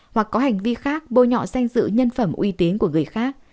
hoặc có hành vi khác bôi nhọ danh dự nhân phẩm uy tín của người khác